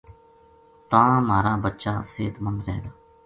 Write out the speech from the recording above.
تاں مھارا بچا صحت مند رہ گا